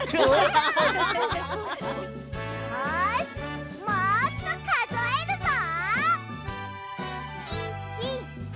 よしもっとかぞえるぞ！